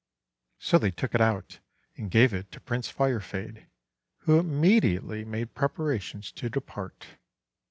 So they took it out, and gave it to Prince Firefade, who immediately made preparations to depart.